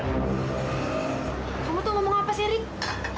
kamu tuh ngomong apa sih rick